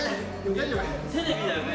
テレビだよね？